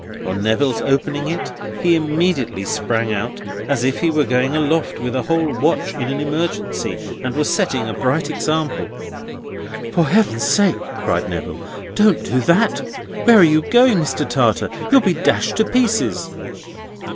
On Neville's opening it, he immediately sprang out, as if he were going aloft with a whole watch in an emergency, and were setting a bright example. "For Heaven's sake," cried Neville, "don't do that! Where are you going Mr. Tartar? You'll be dashed to pieces!"